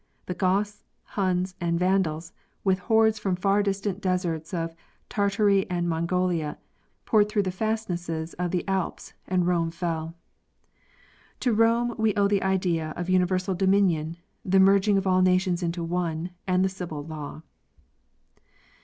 The Goths, Huns and Vandals, with hordes from the far distant deserts of Tartary and Mongolia, poured through the fastnesses of the Alps, and Rome fell. To Rome we owe the idea of universal dominion, the merging of all nations into one, and the civil law.